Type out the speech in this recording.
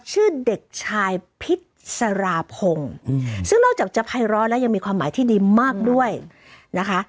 ชื่อเด็กชายพิษสาราพงศ์ซึ่งนอกจากจะภัยร้อนแล้วยังมีความหมายที่ดีมากด้วยนะคะ